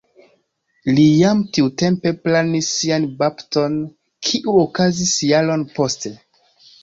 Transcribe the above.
Li jam tiutempe planis sian bapton, kiu okazis jaron poste.